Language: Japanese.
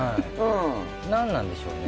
何なんでしょうね。